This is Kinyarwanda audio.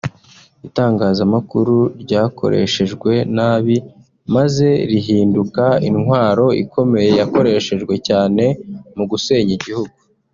Itangazamakuru ryakoreshejwe nabi maze rihinduka intwaro ikomeye yakoreshejwe cyane mu gusenya igihugu